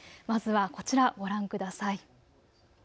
まずはこちらご覧ください。